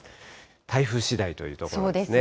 台風しだいというところですね。